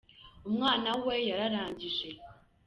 Umwana we yararangije.